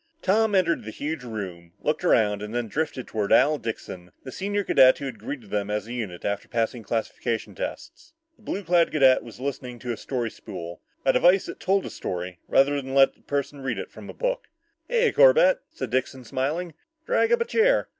Tom entered the huge room, looked around and then drifted toward Al Dixon, the senior cadet who had greeted them as a unit after passing classification tests. The blue clad cadet was listening to a story spool, a device that told a story, rather than let the person read it from a book. "Hiya, Corbett," said Dixon, smiling. "Drag up a chair.